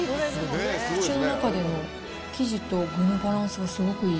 口の中での生地と具のバランスがすごくいい。